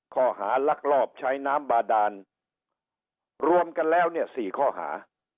ลักลอบใช้น้ำบาดานรวมกันแล้วเนี่ย๔ข้อหา